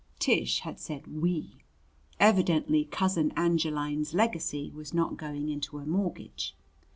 Tish had said "we." Evidently Cousin Angeline's legacy was not going into a mortgage.